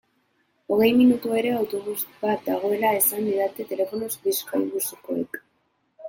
Hogei minutuero autobus bat badagoela esan didaten telefonoz Bizkaibusekoek.